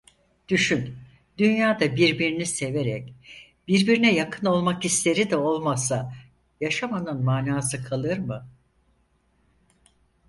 Düşün, dünyada birbirini severek, birbirine yakın olmak hisleri de olmasa yaşamanın manası kalır mı?